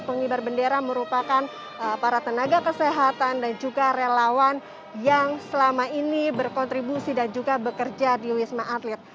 pengibar bendera merupakan para tenaga kesehatan dan juga relawan yang selama ini berkontribusi dan juga bekerja di wisma atlet